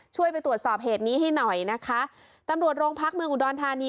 ไปตรวจสอบเหตุนี้ให้หน่อยนะคะตำรวจโรงพักเมืองอุดรธานี